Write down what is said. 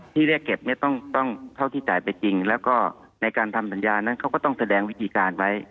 เรียกเก็บเนี่ยต้องเท่าที่จ่ายไปจริงแล้วก็ในการทำสัญญานั้นเขาก็ต้องแสดงวิธีการไว้